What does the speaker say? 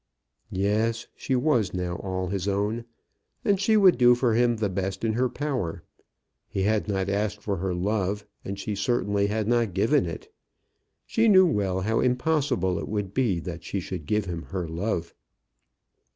Yes; she was now all his own, and she would do for him the best in her power. He had not asked for her love, and she certainly had not given it. She knew well how impossible it would be that she should give him her love.